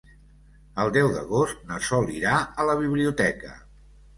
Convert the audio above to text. El deu d'agost na Sol irà a la biblioteca.